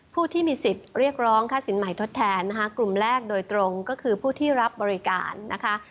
ผู้ที่มีสิทธิ์เรียกร้องค่าสินใหม่ทดแทนนะคะกลุ่มแรกโดยตรงก็คือผู้ที่รับบริการนะคะ